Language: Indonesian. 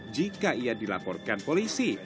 jika ia dilaporkan polisi